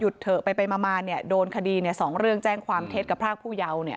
เถอะไปมาเนี่ยโดนคดีสองเรื่องแจ้งความเท็จกับพรากผู้เยาว์เนี่ย